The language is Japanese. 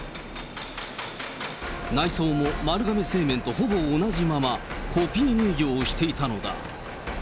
内装も丸亀製麺とほぼ同じまま、コピー営業をしていたのだ。